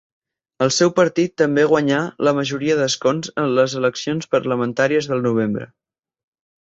El seu partit també guanyà la majoria d'escons en les eleccions parlamentàries del novembre.